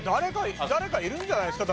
誰かいるんじゃないですか？